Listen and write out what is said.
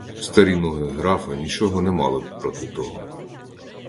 Старі ноги графа нічого не мали б проти того.